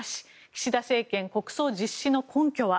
岸田政権、国葬実施の根拠は？